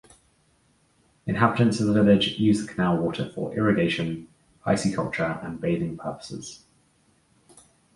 Inhabitants of the village use the canal water for irrigation, pisciculture and bathing purposes.